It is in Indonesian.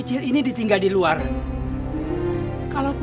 jangan tinggalin kiki kak